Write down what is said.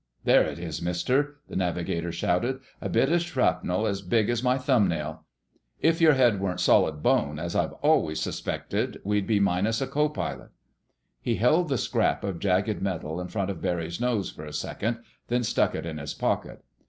"There it is, Mister!" the navigator shouted. "A bit of shrapnel as big as my thumbnail. If your head weren't solid bone, as I've always suspected, we'd be minus a co pilot." He held the scrap of jagged metal in front of Barry's nose for a second, then stuck it in his pocket.